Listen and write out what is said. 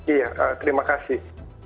iya terima kasih